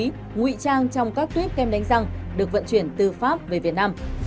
ngụy trang trong các tuyếp kem đánh răng được vận chuyển từ pháp về việt nam